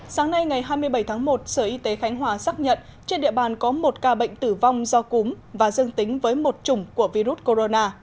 sáng nay ngày hai mươi bảy tháng một sở y tế khánh hòa xác nhận trên địa bàn có một ca bệnh tử vong do cúm và dương tính với một chủng của virus corona